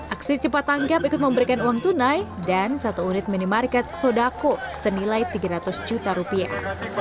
aksi cepat tanggap ikut memberikan uang tunai dan satu unit minimarket sodako senilai tiga ratus juta rupiah